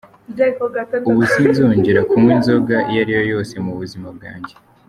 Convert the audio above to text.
Ubu sinzongera kunywa inzoga iyo ariyo yose mu buzima bwanjye.